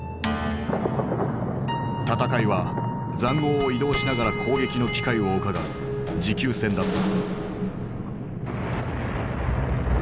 戦いは塹壕を移動しながら攻撃の機会をうかがう持久戦だった。